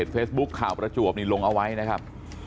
เฟซบุ๊คข่าวประจวบนี่ลงเอาไว้นะครับ